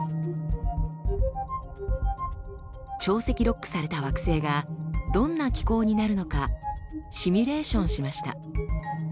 潮汐ロックされた惑星がどんな気候になるのかシミュレーションしました。